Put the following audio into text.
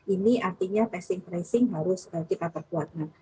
ini artinya testing tracing harus kita perkuat